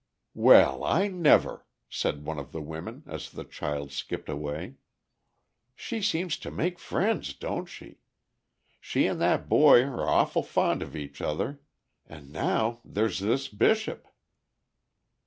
"Well, I never!" said one of the women, as the child skipped away. "She seems to make friends, don't she? She and that boy are awful fond of each other; and now there 's this Bishop!"